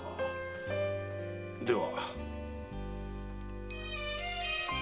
では。